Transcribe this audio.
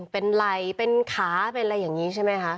เป็นไหล่เป็นขาเป็นอะไรอย่างนี้ใช่ไหมคะ